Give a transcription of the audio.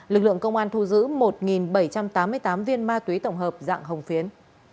lực lượng công an thu giữ một bảy trăm tám mươi tám viên ma túy tổng hợp dạng hồng phiến